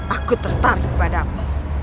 aku tertarik padamu